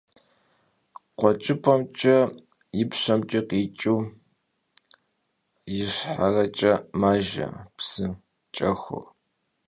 Khueç'ıp'emç'e yipşeç'e khiç'ıu yişxhereç'e majje psı Ç'exur.